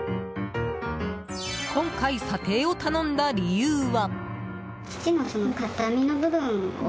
今回、査定を頼んだ理由は。